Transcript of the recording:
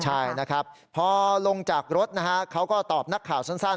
ใช่นะครับพอลงจากรถนะฮะเขาก็ตอบนักข่าวสั้น